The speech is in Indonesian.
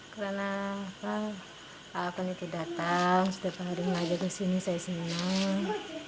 karena pak afan itu datang sudah baru saja ke sini saya senang